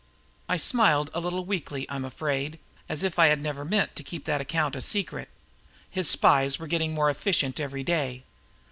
I smiled, a little weakly, I'm afraid, as if I had never meant to keep that account a secret. His spies were getting more efficient every day.